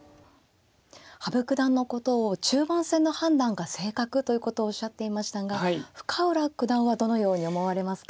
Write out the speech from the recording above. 羽生九段のことを「中盤戦の判断が正確」ということをおっしゃっていましたが深浦九段はどのように思われますか？